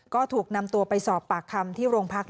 ก็ถูกนำตัวไปสอบปากคำที่โรงพัก